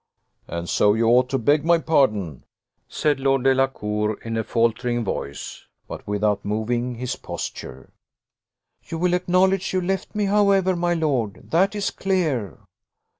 "And so you ought to beg my pardon," said Lord Delacour, in a faltering voice, but without moving his posture. "You will acknowledge you left me, however, my lord? That is clear."